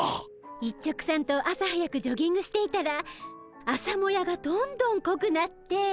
一直さんと朝早くジョギングしていたら朝もやがどんどんこくなって。